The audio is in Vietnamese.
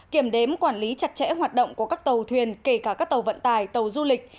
kiểm đếm quản lý chặt chẽ hoạt động của các tàu thuyền kể cả các tàu vận tải tàu du lịch